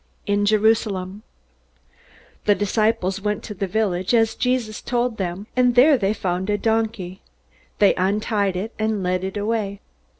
In Jerusalem The disciples went to the village, as Jesus told them, and there they found the donkey. They untied it, and led it away.